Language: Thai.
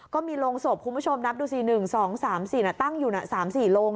ก็มีโรงศพคุณผู้ชมนับดูสิ๑๒๓๔ตั้งอยู่๓๔โรง